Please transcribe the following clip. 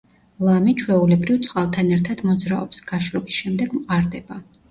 ლამი, ჩვეულებრივ, წყალთან ერთად მოძრაობს, გაშრობის შემდეგ მყარდება.